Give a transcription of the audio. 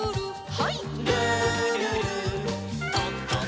はい。